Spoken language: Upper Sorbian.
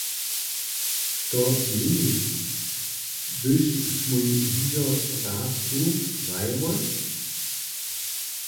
Što měniš, hdyž smój hižo raz tu, hrajemoj?